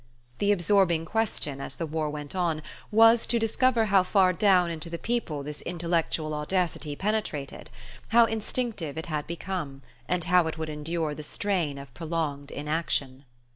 The absorbing question, as the war went on, was to discover how far down into the people this intellectual audacity penetrated, how instinctive it had become, and how it would endure the strain of prolonged inaction.